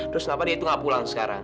terus kenapa dia itu nggak pulang sekarang